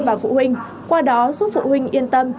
và phụ huynh qua đó giúp phụ huynh yên tâm